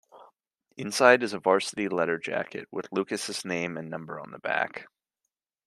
Inside is a varsity letter jacket, with Lucas' name and number on the back.